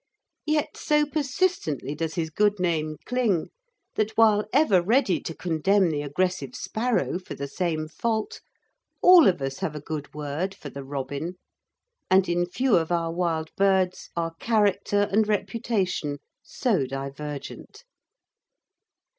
Yet so persistently does his good name cling, that, while ever ready to condemn the aggressive sparrow for the same fault, all of us have a good word for the robin, and in few of our wild birds are character and reputation so divergent.